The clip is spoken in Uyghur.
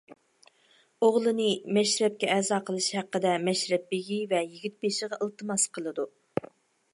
ئوغلىنى مەشرەپكە ئەزا قىلىش ھەققىدە مەشرەپ بېگى ۋە يىگىت بېشىغا ئىلتىماس قىلىدۇ.